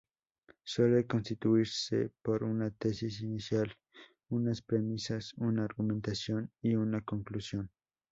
Suele constituirse por una tesis inicial, unas premisas, una argumentación y una conclusión.